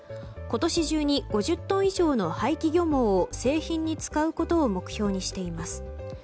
今年中に５０トン以上の廃棄漁網を製品に使うことを目標にしています。